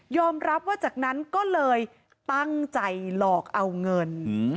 รับว่าจากนั้นก็เลยตั้งใจหลอกเอาเงิน